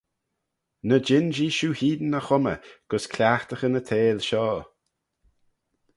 Ny jean-jee shiu hene y chummey gys cliaghtaghyn y theihll shoh.